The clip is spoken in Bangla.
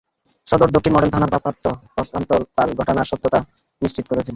সদর দক্ষিণ মডেল থানার ভারপ্রাপ্ত কর্মকর্তা প্রশান্ত পাল ঘটনার সত্যতা নিশ্চিত করেছেন।